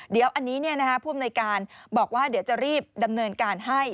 เดี๋ยวอันนี้ผู้อำนวยการบอกว่าเดี๋ยวจะรีบดำเนินการให้